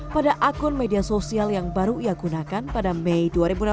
pada akun media sosial yang baru ia gunakan pada mei dua ribu enam belas